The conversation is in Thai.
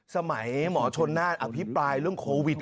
สมัยหมอชนน่านอภิปรายเรื่องโควิด